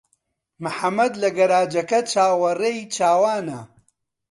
محەممەد لە گەراجەکە چاوەڕێی چاوانە.